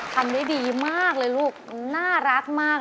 ทำได้ดีมากเลยลูกน่ารักมาก